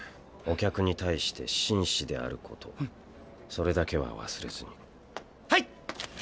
お客に対して真摯であることうんそれだけは忘れずにはい！